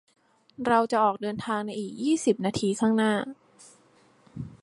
เราจะออกเดินทางในอีกยี่สิบนาทีข้างหน้า